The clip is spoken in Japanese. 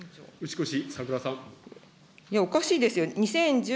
おかしいですよ。